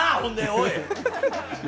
おい！